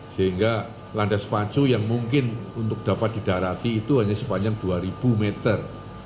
sehingga landas pacu yang mungkin untuk dapat didarati itu hanya sepanjang dua ribu meter